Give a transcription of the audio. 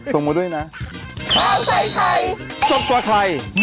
ส่งมาด้วยนะ